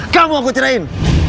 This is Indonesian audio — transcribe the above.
kamu aku cerain